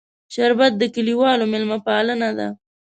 شربت د کلیوالو میلمهپالنه ده